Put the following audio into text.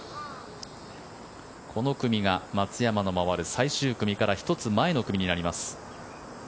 この組が松山の回る最終組から１つ前の組になります。